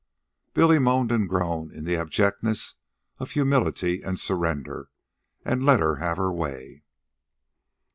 Billy moaned and groaned in the abjectness of humility and surrender, and let her have her way.